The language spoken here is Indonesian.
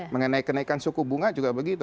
mengenai kenaikan suku bunga juga begitu